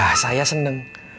ya saya seneng